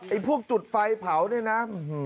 ไอ้พวกจุดไฟเผานี่นะ